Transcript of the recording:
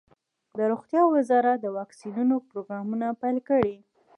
د روغتیا وزارت د واکسینونو پروګرام پیل کړ.